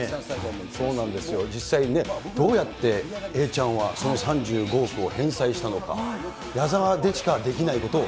実際にね、どうやってえいちゃんはその３５億を返済したのか。